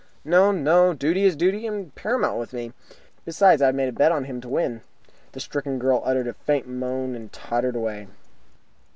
"No, no. Duty is duty, and paramount with me. Besides, I have a bet on him to win." The stricken girl uttered a faint moan, and tottered away.